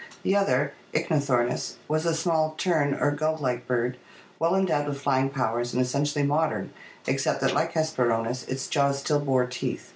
The other, Ichthyornis, was a small tern or gull like bird well endowed with flying powers and essentially modern except that, like Hesperornis, its jaws still bore teeth.